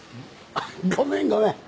あっごめんごめん！